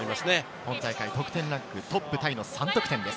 今大会、得点ランクトップタイの３得点です。